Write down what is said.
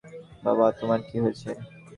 বাবা, তোমার কী হয়েছে?